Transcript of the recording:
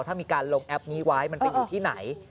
ถ้ามีการลงแอปนี้ไว้มันไปอยู่ที่ไหน